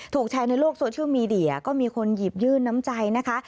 ถูกแชร์ในโลกโซเชียลมีเดียก็มีคนหยิบยื่นน้ำใจนะคะ